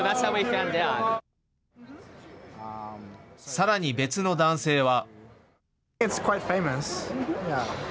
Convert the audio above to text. さらに別の男性は。